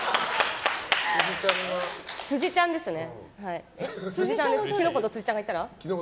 辻ちゃんですね。